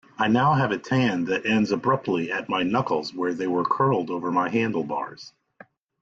I now have a tan that ends abruptly at my knuckles where they were curled over my handlebars.